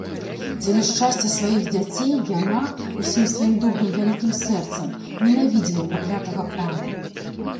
Дзеля шчасця сваіх дзяцей яна, усім сваім добрым вялікім сэрцам, ненавідзела праклятага пана.